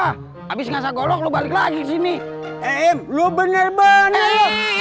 habis ngasah golok lu balik lagi sini eh lu bener bener